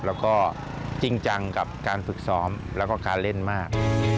แล้วก็จริงจังกับการฝึกซ้อมแล้วก็การเล่นมาก